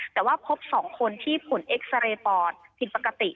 แต่ว่าพบ๒คนที่ผลเอ็กซาเรย์ปอดผิดปกติ